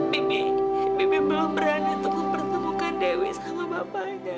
bibi bibi belum berani untuk mempertemukan dewi sama bapak